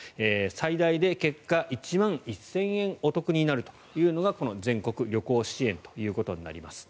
最大で結果、１万１０００円お得になるというのがこの全国旅行支援ということになります。